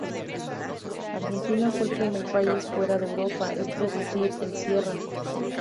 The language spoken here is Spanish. Argentina fue el primer país fuera de Europa en producir el Sierra.